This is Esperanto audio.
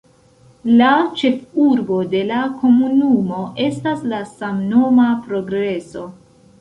La ĉefurbo de la komunumo estas la samnoma Progreso.